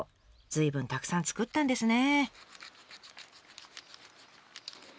随分たくさん作ったんですね。